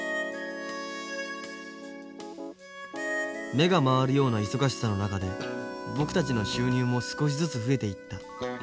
目が回るような忙しさの中で僕たちの収入も少しずつ増えていった。